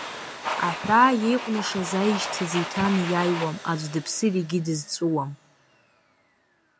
Аҳәаа еиҟәнашаз аишьцәа зеиҭанеиааиуам, аӡә дыԥсыр егьи дызҵәыуам.